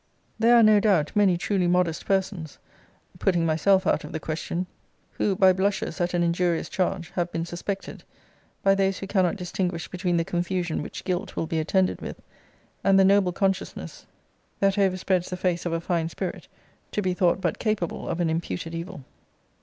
There are, no doubt, many truly modest persons (putting myself out of the question) who, by blushes at an injurious charge, have been suspected, by those who cannot distinguish between the confusion which guilt will be attended with, and the noble consciousness that overspreads the face of a fine spirit, to be thought but capable of an imputed evil.